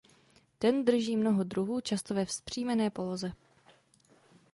Ten drží mnoho druhů často ve vzpřímené poloze.